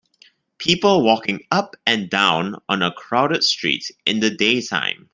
People walking up and down on a crowded street in the daytime.